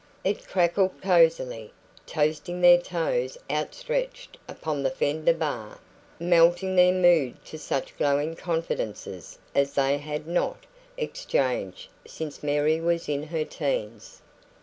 It crackled cosily, toasting their toes outstretched upon the fender bar, melting their mood to such glowing confidences as they had not exchanged since Mary was in her teens.